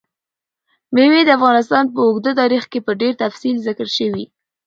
مېوې د افغانستان په اوږده تاریخ کې په ډېر تفصیل ذکر شوي.